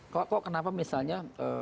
kok kenapa misalnya